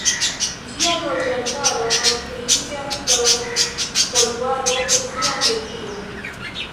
Ĝia loĝantaro malpliiĝas pro poluado de sia medio.